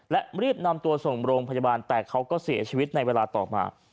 และรีบนำตัวส่งโรงพยาบาลแต่เขาก็เสียชีวิตในเวลาต่อมา